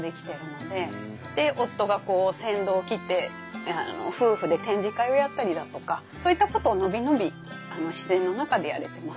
で夫が先導きって夫婦で展示会をやったりだとかそういったことを伸び伸び自然の中でやれてます。